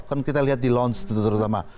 kan kita lihat di lounge terutama